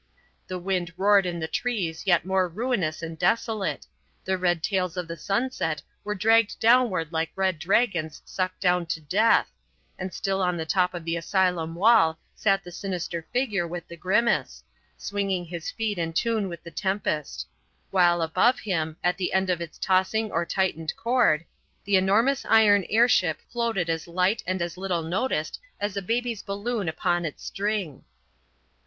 The wind roared in the trees yet more ruinous and desolate, the red tails of the sunset were dragged downward like red dragons sucked down to death, and still on the top of the asylum wall sat the sinister figure with the grimace, swinging his feet in tune with the tempest; while above him, at the end of its tossing or tightened cord, the enormous iron air ship floated as light and as little noticed as a baby's balloon upon its string.